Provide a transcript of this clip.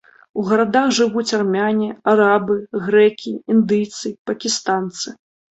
У гарадах жывуць армяне, арабы, грэкі, індыйцы, пакістанцы.